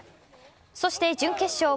そして準決勝